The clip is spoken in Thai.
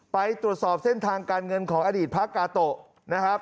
ไปตรวจสอบเส้นทางการเงินของอดีตพระกาโตะนะครับ